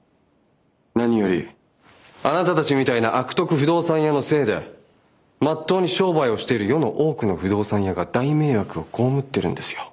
何よりあなたたちみたいな悪徳不動産屋のせいでまっとうに商売をしている世の多くの不動産屋が大迷惑を被ってるんですよ。